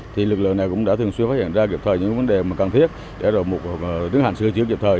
thì lực lượng này cũng đã thường xuyên phát hiện ra kịp thời những vấn đề cần thiết để đứng hành sửa chữa kịp thời